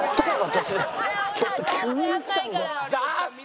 ちょっと急にきたんで。